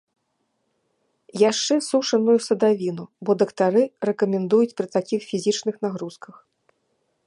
Яшчэ сушаную садавіну, бо дактары рэкамендуюць пры такіх фізічных нагрузках.